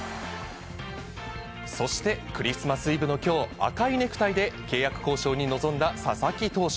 そして、クリスマスイブのきょう、赤いネクタイで契約交渉に臨んだ佐々木投手。